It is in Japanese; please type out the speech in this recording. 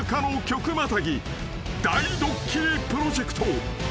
［大ドッキリプロジェクト］